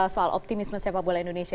soal optimisme sepak bola indonesia